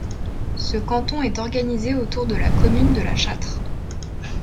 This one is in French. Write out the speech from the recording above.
Ce canton est organisé autour de la commune de La Châtre.